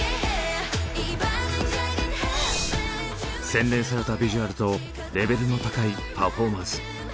洗練されたビジュアルとレベルの高いパフォーマンス。